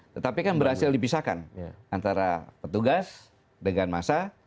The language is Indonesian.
tetapi kan berhasil dipisahkan antara petugas dengan masa